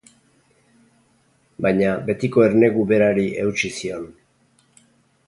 Baina betiko ernegu berari eutsi zion.